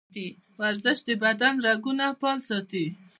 ورزش د بدن رګونه فعال ساتي.